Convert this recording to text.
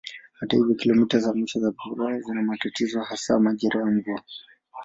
Hata hivyo kilomita za mwisho za barabara zina matatizo hasa majira ya mvua.